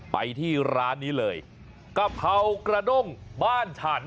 ไปที่ร้านนี้เลยกะเพรากระด้งบ้านฉัน